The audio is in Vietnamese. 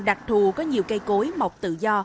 đặc thù có nhiều cây cối mọc tự do